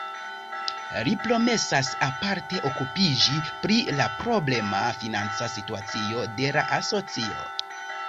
Li promesas aparte okupiĝi pri la problema financa situacio de la asocio.